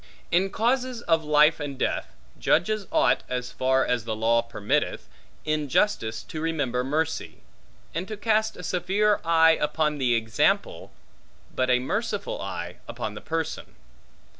In causes of life and death, judges ought (as far as the law permitteth) in justice to remember mercy; and to cast a severe eye upon the example, but a merciful eye upon the person.